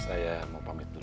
saya mau pamit dulu